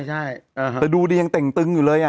ใช่แต่ดูดียังเต่งตึงอยู่เลย